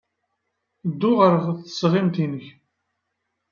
Ddu ɣer tesɣimt-nnek.